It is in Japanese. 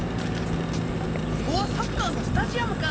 ここはサッカーのスタジアムか。